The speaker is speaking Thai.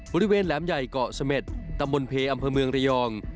แหลมใหญ่เกาะเสม็ดตำบลเพอำเภอเมืองระยอง